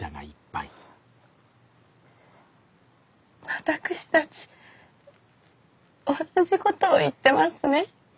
私たち同じことを言ってますね。